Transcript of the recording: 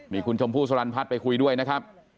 นี่คุณชมพู่สลันพัฒน์ไปคุยด้วยนะครับ